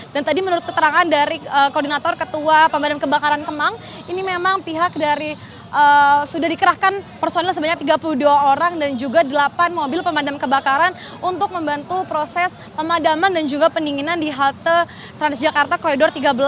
dan tadi menurut keterangan dari koordinator ketua pemandang kebakaran kemang ini memang pihak dari sudah dikerahkan personal sebanyak tiga puluh dua orang dan juga delapan mobil pemandang kebakaran untuk membantu proses pemadaman dan juga peninginan di halte transjakarta kloidor tiga belas